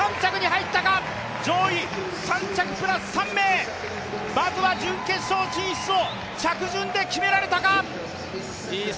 上位３着プラス３名まずは準決勝進出を着順で決められたか。